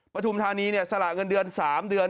ปฐุมธานีสละเงินเดือน๓เดือน